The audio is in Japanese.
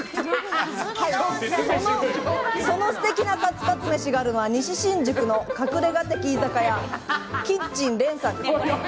その素敵なカツカツ飯があるのは西新宿の隠れ家的居酒屋、キッチン蓮さん。